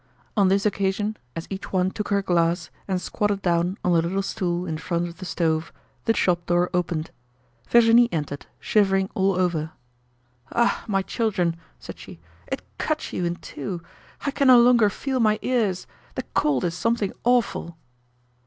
On this occasion, as each one took her glass and squatted down on a little stool in front of the stove, the shop door opened. Virginie entered, shivering all over. "Ah, my children," said she, "it cuts you in two! I can no longer feel my ears. The cold is something awful!"